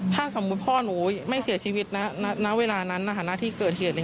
ถ้าสมมุติพ่อหนูไม่เสียชีวิตณเวลานั้นนะคะณที่เกิดเหตุ